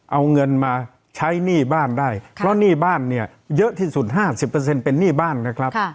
เอาเงินมาใช้หนี้บ้านได้เพราะหนี้บ้านเนี่ยเยอะที่สุด๕๐เป็นหนี้บ้านนะครับ